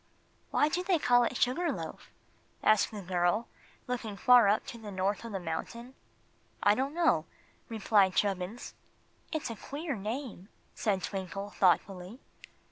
"Why do they call it 'Sugar Loaf'?" asked the girl, looking far up to the top of the mountain. "I don't know," replied Chubbins. "It's a queer name," said Twinkle, thoughtfully.